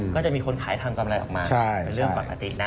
ก็จะมีคนขายทางกำไรออกมาเริ่มกว่าหนักอีกนะ